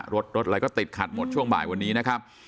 รถรถอะไรก็ติดขัดหมดช่วงบ่ายวันนี้นะครับ